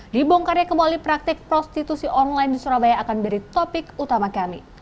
di bongkarnya kemali praktik prostitusi online di surabaya akan beri topik utama kami